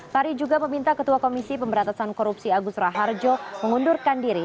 fahri juga meminta ketua komisi pemberantasan korupsi agus raharjo mengundurkan diri